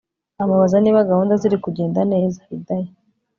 amubaza niba gahunda ziri kugenda neza Hidaya